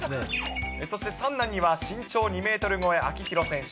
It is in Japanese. そして三男には身長２メートル超え、秋広選手。